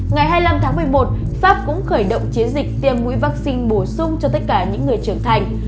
ngày hai mươi năm tháng một mươi một pháp cũng khởi động chiến dịch tiêm mũi vaccine bổ sung cho tất cả những người trưởng thành